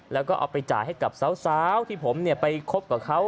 แล้วก็เอาไปจ่ายให้กับสาวที่ผมไปคบกับเขา